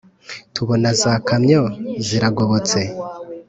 tubona za kamyo ziragobotse